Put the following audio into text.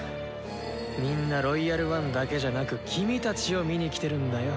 みんな「ロイヤル・ワン」だけじゃなく君たちを見に来てるんだよ。